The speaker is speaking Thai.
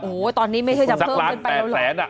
โอ้โหตอนนี้ไม่เคยจะเพิ่มขึ้นไปอยู่แล้ว